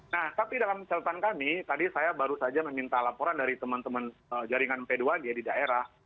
nah tapi dalam catatan kami tadi saya baru saja meminta laporan dari teman teman jaringan p dua g di daerah